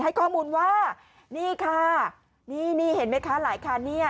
ให้ข้อมูลว่านี่ค่ะนี่นี่เห็นไหมคะหลายคันเนี่ย